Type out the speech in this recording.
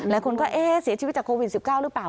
หลายคนก็เอ๊ะเสียชีวิตจากโควิด๑๙หรือเปล่า